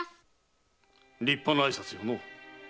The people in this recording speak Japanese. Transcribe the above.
立派な挨拶よのう。